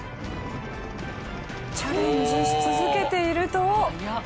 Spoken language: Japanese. チャレンジし続けていると。